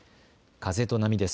風と波です。